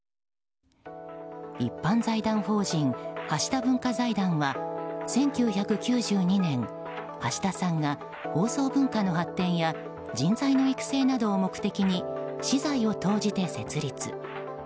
一般財団法人橋田文化財団は１９９２年、橋田さんが放送文化の発展や人材の育成などを目的に私財を投じて設立。